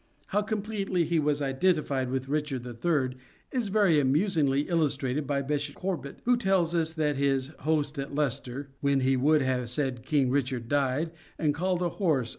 How completely he was identified with Richard III. is very amusingly illustrated by Bishop Corbet, who tells us that his host at Leicester — When he would have said King Richard died, And called a horse